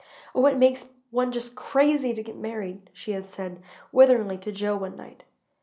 "Oh it makes one just crazy to get married," she had said, witheringly, to Joe one night.